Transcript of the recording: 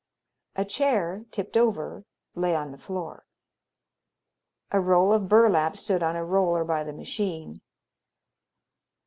A chair, tipped over, lay on the floor. A roll of burlap stood on a roller by the machine.